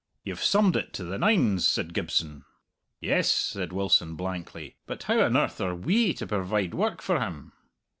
"You've summed it to the nines," said Gibson. "Yes," said Wilson blankly, "but how on earth are we to provide work for him?"